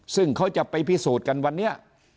ซึ่งเขาจะไปพิสูจน์กันวันนี้